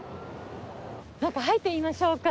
中入ってみましょうか。